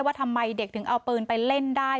ว่าทำไมเด็กถึงเอาปืนไปเล่นได้